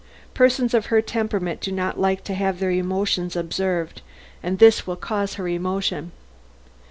Persons of her temperament do not like to have their emotions observed, and this will cause her emotion.